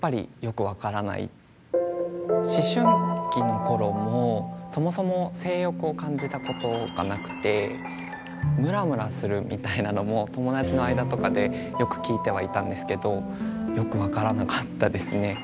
思春期の頃もそもそも性欲を感じたことがなくてムラムラするみたいなのも友達の間とかでよく聞いてはいたんですけどよく分からなかったですね。